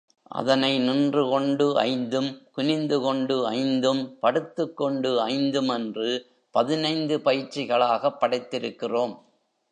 அதனை நின்று கொண்டு ஐந்தும் குனிந்து கொண்டு ஐந்தும் படுத்துக் கொண்டு ஐந்தும் என்று பதினைந்து பயிற்சிகளாகப் படைத்திருக்கிறோம்.